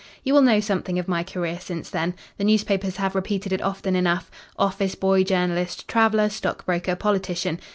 You will know something of my career since then: the newspapers have repeated it often enough office boy, journalist, traveller, stockbroker, politician.